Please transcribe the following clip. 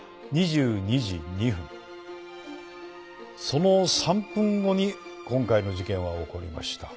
その３分後に今回の事件は起こりました。